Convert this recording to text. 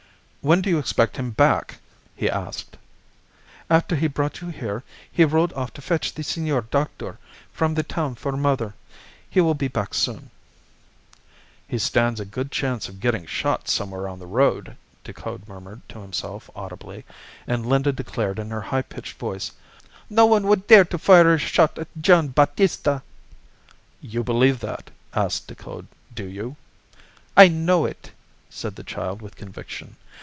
"When do you expect him back?" he asked. "After he brought you here he rode off to fetch the Senor Doctor from the town for mother. He will be back soon." "He stands a good chance of getting shot somewhere on the road," Decoud murmured to himself audibly; and Linda declared in her high pitched voice "Nobody would dare to fire a shot at Gian' Battista." "You believe that," asked Decoud, "do you?" "I know it," said the child, with conviction.